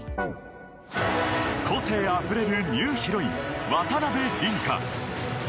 個性あふれるニューヒロイン渡辺倫果。